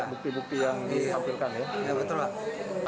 bukti bukti yang dihampirkan ya